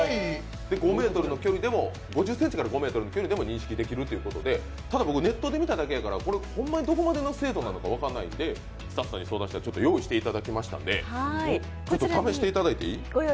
５０ｃｍから５ｍの距離でも認識できるということでただ僕、ネットで見ただけやからホンマにどこまでの精度だか分からないのでスタッフさんに相談したら用意していただいたんで試していただいていい？